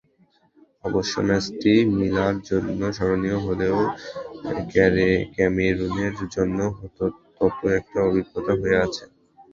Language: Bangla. অবশ্য ম্যাচটি মিলার জন্য স্মরণীয় হলেও ক্যামেরুনের জন্য তেতো একটা অভিজ্ঞতা হয়ে আছে।